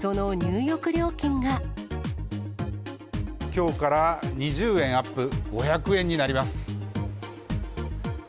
きょうから２０円アップ、５００円になります。